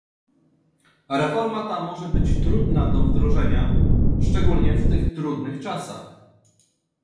Reforma ta może być trudna do wdrożenia, szczególnie w tych trudnych czasach